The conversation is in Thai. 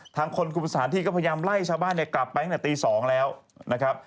ทางคนกลุ่มสถานที่ก็พยายามไล่ชาวบ้านกลับไปตั้งแต่ตี๒แล้วนะครับ